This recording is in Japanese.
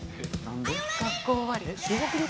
学校終わり？